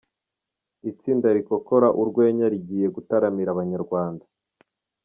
Itsinda Rikokora Urwenya Rigiye Gutaramira Abanyarwanda